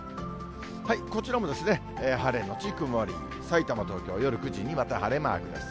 こちらも晴れ後曇り、さいたま、東京、夜９時にまた晴れマークです。